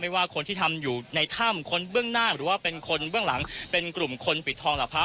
ว่าคนที่ทำอยู่ในถ้ำคนเบื้องหน้าหรือว่าเป็นคนเบื้องหลังเป็นกลุ่มคนปิดทองหลังพระ